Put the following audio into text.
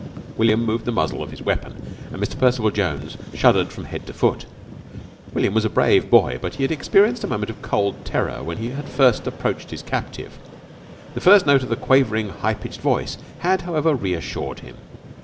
William moved the muzzle of his weapon, and Mr. Percival Jones shuddered from head to foot. William was a brave boy, but he had experienced a moment of cold terror when first he had approached his captive. The first note of the quavering high pitched voice had, however, reassured him.